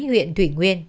huyện thủy nguyên